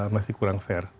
masih kurang fair